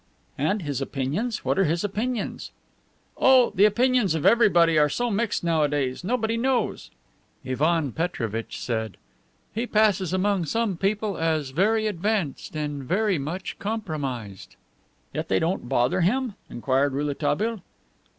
"And his opinions? What are his opinions?" "Oh, the opinions of everybody are so mixed nowadays, nobody knows." Ivan Petrovitch said, "He passes among some people as very advanced and very much compromised." "Yet they don't bother him?" inquired Rouletabille.